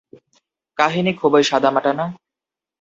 কাহিনী খুবই সাদামাটা না?